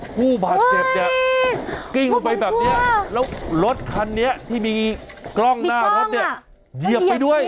ผู้บาดเจ็บเนี่ยกิ้งลงไปแบบนี้แล้วรถคันนี้ที่มีกล้องหน้ารถเนี่ยเหยียบไปด้วย